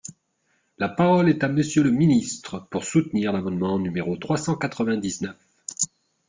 La parole est à Monsieur le ministre, pour soutenir l’amendement numéro trois cent quatre-vingt-dix-neuf.